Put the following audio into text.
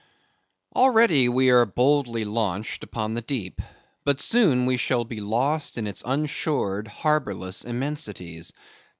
Already we are boldly launched upon the deep; but soon we shall be lost in its unshored, harbourless immensities.